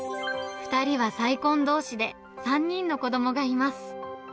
２人は再婚どうしで、３人の子どもがいます。